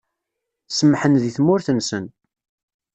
Semmḥen di tmurt-nsen.